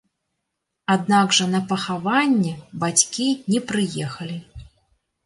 Аднак жа на пахаванне бацькі не прыехалі.